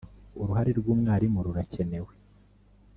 uruhare rw’umwarimu rurakenewe